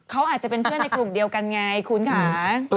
เขาอาจจะเป็นเพื่อนในกลุ่มเดียวกันไงคุณค่ะ